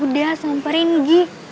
udah sampai ringgi